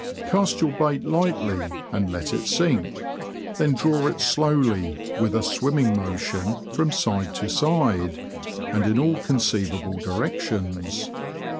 Cast your bait lightly, and let it sink ; then draw it slowly, with a swimming motion, from side to side, and in all con ceivable directions.